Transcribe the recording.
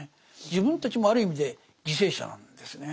自分たちもある意味で犠牲者なんですね。